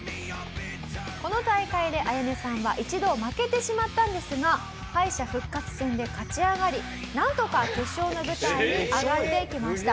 この大会でアヤネさんは一度負けてしまったんですが敗者復活戦で勝ち上がりなんとか決勝の舞台に上がってきました。